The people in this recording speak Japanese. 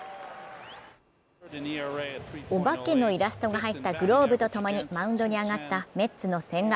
お化けのイラストが入ったグローブとともにマウンドに上がったメッツの千賀。